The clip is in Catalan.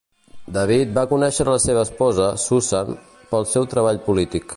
David va conèixer a la seva esposa, Susan, pel seu treball polític.